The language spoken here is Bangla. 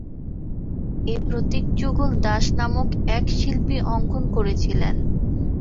এই প্রতীক যুগল দাস নামক এক শিল্পী অঙ্কন করেছিলেন।